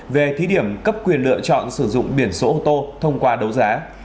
về thí điểm cấp quyền lựa chọn sử dụng biển số ô tô thông qua đấu giá